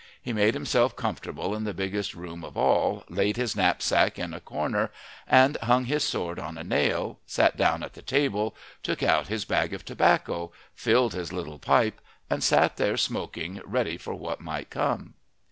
He made himself comfortable in the biggest room of all, laid his knapsack in a corner and hung his sword on a nail, sat down at the table, took out his bag of tobacco, filled his little pipe, and sat there smoking, ready for what might come.